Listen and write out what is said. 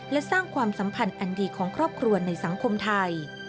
และสร้างความสัมพันธ์อันดีของครอบครัวในสังคมไทย